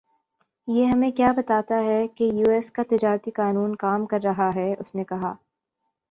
یہ ہمیں کِیا بتاتا ہے کہ یوایس کا تجارتی قانون کام کر رہا ہے اس نے کہا